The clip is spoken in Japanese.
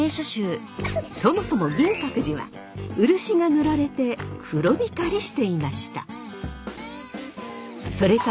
そもそも銀閣寺は漆が塗られて黒光りしていました。